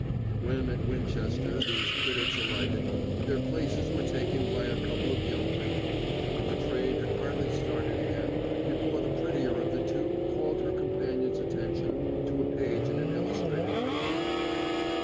When, at Winchester, these critics alighted, their places were taken by a couple of young women; and the train had hardly started again before the prettier of the two called her companion's attention to a page in an illustrated paper.